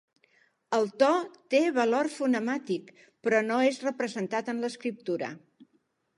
El to té valor fonemàtic, però no és representat en l'escriptura.